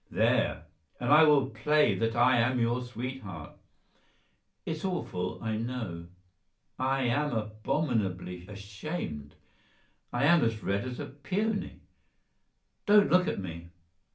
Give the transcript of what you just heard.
There! And I will play that I am your sweetheart. It's awful, I know—I am abominably ashamed, I am as red as a peony. Don't look at me!"